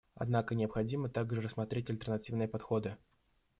Однако необходимо также рассмотреть альтернативные подходы.